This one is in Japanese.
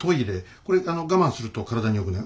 これ我慢すると体によくない。